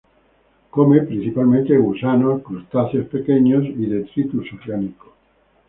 Come principalmente gusanos, crustáceos pequeños y detritus orgánico.